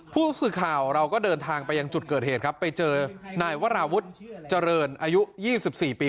ผู้สื่อข่าวเราก็เดินทางไปยังจุดเกิดเหตุครับไปเจอนายวราวุฒิเจริญอายุ๒๔ปี